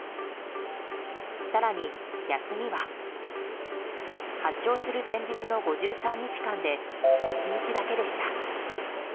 更に休みは発症する前日の５３日間で１日だけでした。